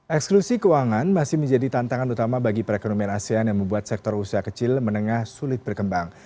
eksklusi keuangan masih menjadi tantangan utama bagi perekonomian asean yang membuat sektor usaha kecil menengah sulit berkembang